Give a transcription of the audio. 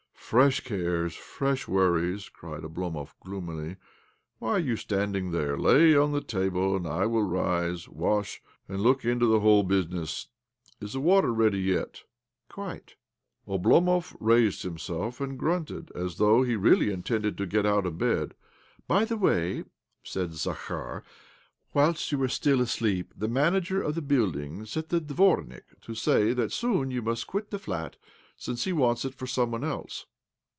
Fresh cares, fresh worries I " cried Oblomov gloomily. " Why are you stand ing there? Lay the table, and I will rise, wash, and look into the whole business. Is the water yet ready? " 22 OBLOMOV "Quite." Oblomov raised himself and grunted as though he really intended to get out of bed. " By the way," said Zakhar, " whilst you were still asleep the manager of the building sent the dvornik ' to say that soon you must quit the flat, since he wants it for some one else."